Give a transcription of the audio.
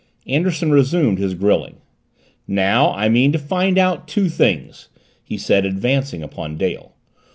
Anderson resumed his grilling. "Now I mean to find out two things," he said, advancing upon Dale.